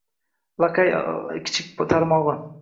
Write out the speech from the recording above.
Laqay qabilasining kichik bir tarmog‘i ham badal deb ataladi.